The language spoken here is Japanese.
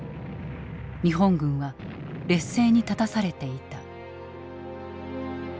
日本軍は劣勢に立たされていた。